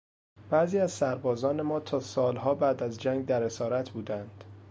بعضی از سربازان ما تا سالها بعد از جنگ در اسارت بودند.